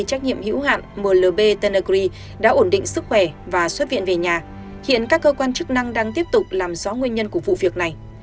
trách nhiệm hữu hạn molb tennergri đã ổn định sức khỏe và xuất viện về nhà hiện các cơ quan chức năng đang tiếp tục làm rõ nguyên nhân của vụ việc này